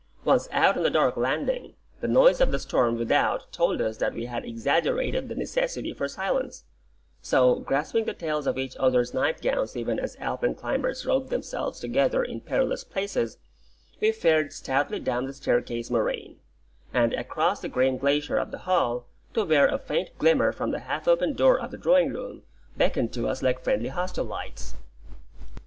Once out on the dark landing, the noise of the storm without told us that we had exaggerated the necessity for silence; so, grasping the tails of each other's nightgowns even as Alpine climbers rope themselves together in perilous places, we fared stoutly down the staircase moraine, and across the grim glacier of the hall, to where a faint glimmer from the half open door of the drawing room beckoned to us like friendly hostel lights.